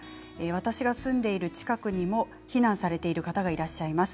私が住んでいる近くにも避難されている方がいらっしゃいます。